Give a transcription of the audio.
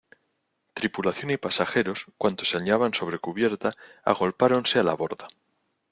tripulación y pasajeros, cuantos se hallaban sobre cubierta , agolpáronse a la borda.